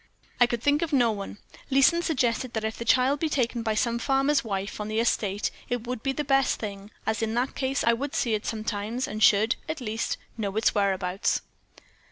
"I could think of no one. Leeson suggested that if the child be taken by some farmer's wife on the estate, it would be the best thing, as in that case I would see it sometimes, and should, at least, know its whereabouts.